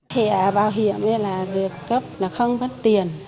thẻ bảo hiểm được cấp là không có tiền